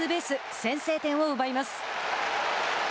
先制点を奪います。